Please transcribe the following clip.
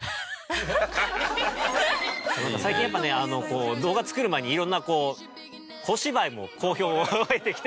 最近やっぱねあのこう動画作る前に色んなこう小芝居も好評を得てきて。